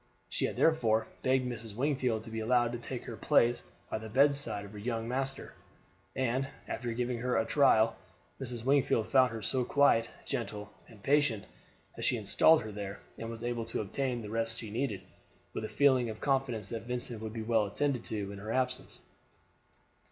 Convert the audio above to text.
She had therefore begged Mrs. Wingfield to be allowed to take her place by the bedside of her young master, and, after giving her a trial, Mrs. Wingfield found her so quiet, gentle, and patient that she installed her there, and was able to obtain the rest she needed, with a feeling of confidence that Vincent would be well attended to in her absence.